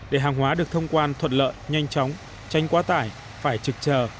để hàng hóa được thông quan thuận lợi nhanh chóng tránh quá tải phải trực chờ